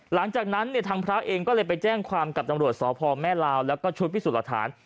หลังจากนั้นทางพระเองก็เลยไปแจ้งความกับตำรวจสพแม่ลาวและชุดพิสุธฐาน